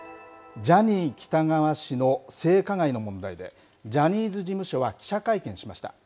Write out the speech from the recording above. ジャニー喜多川氏の性加害の問題で、ジャニーズ事務所は記者会見しました。